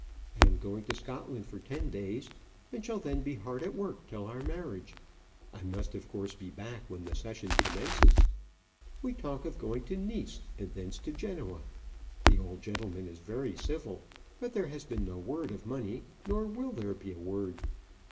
I am going to Scotland for ten days, and shall then be hard at work till our marriage. I must of course be back when the session commences. We talk of going to Nice, and thence to Genoa. The old gentleman is very civil; but there has been no word of money, nor will there be a word.